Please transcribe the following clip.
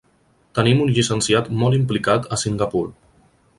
Tenim un llicenciat molt implicat a Singapur.